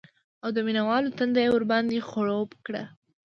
او د مینه والو تنده یې ورباندې خړوب کړه